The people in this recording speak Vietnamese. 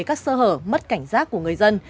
các sơ hở mất cảnh giác của người dân